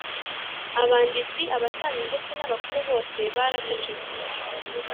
abanditsi, abatambyi ndetse n’abakuru bose baracecetse